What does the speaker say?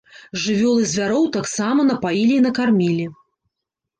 Жывёл і звяроў таксама напаілі і накармілі.